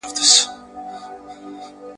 محصلين د ټولنيز چاپېريال په اړه څېړنې کوي.